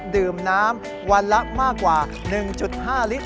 ดื่มน้ำวันละมากกว่า๑๕ลิตร